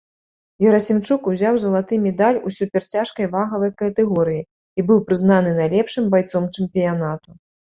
Герасімчук узяў залаты медаль у суперцяжкай вагавай катэгорыі і быў прызнаны найлепшым байцом чэмпіянату.